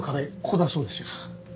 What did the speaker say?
ここだそうですよ。